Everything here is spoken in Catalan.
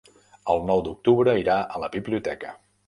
El nou d'octubre irà a la biblioteca.